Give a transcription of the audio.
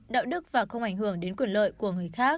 đạo đức và không ảnh hưởng đến quyền lợi của người khác